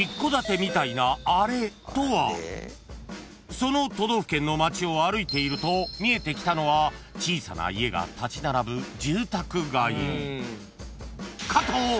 ［その都道府県の街を歩いていると見えてきたのは小さな家が立ち並ぶ住宅街］